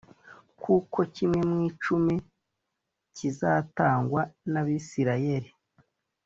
Kuko kimwe mu icumi kizatangwa n Abisirayeli